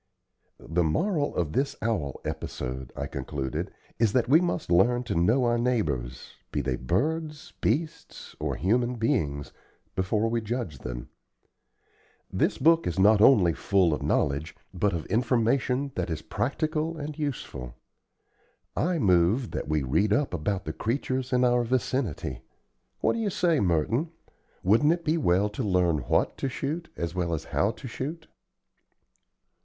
"The moral of this owl episode," I concluded, "is that we must learn to know our neighbors, be they birds, beasts, or human beings, before we judge them. This book is not only full of knowledge, but of information that is practical and useful. I move that we read up about the creatures in our vicinity. What do you say, Merton? wouldn't it be well to learn what to shoot, as well as how to shoot?"